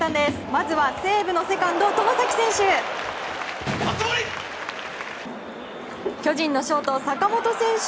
まずは西武のセカンド外崎選手。